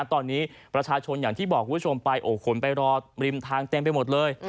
ตอนนี้ประชาชนอย่างที่บอกคุณผู้ชมไปโอ้โหคนไปรอริมทางเต็มไปหมดเลย